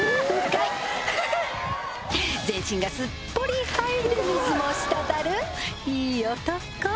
ええっ全身がすっぽり入る水もしたたるいい男